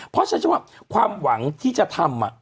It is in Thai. เพราะฉะนั้นฉันว่าความหวังที่จะทำอะ